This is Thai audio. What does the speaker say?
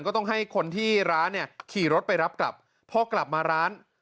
ก็ต้องให้คนที่ร้านเนี่ยขี่รถไปรับกลับพอกลับมาร้าน